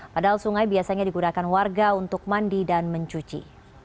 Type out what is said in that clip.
padahal sungai biasanya digunakan warga untuk mandi dan mencuci